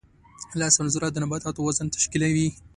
لس عنصره د نباتاتو وزن تشکیلوي.